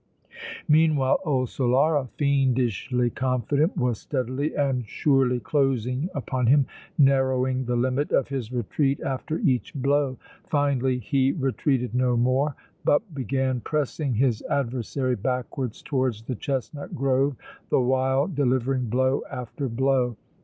Meanwhile old Solara, fiendishly confident, was steadily and surely closing upon him, narrowing the limit of his retreat after each blow. Finally he retreated no more, but began pressing his adversary backwards towards the chestnut grove, the while delivering blow after blow.